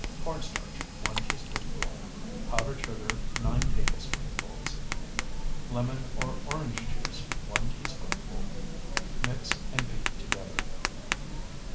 Corn starch, 1 teaspoonful. Powdered sugar, 9 tablespoonfuls. Lemon or orange juice, 1 teaspoonful. Mix and beat together.